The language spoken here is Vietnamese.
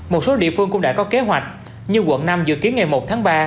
một số địa phương cũng đã có kế hoạch như quận năm dự kiến ngày một tháng ba